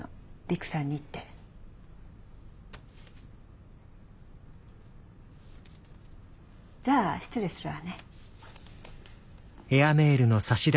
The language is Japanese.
陸さんにって。じゃあ失礼するわね。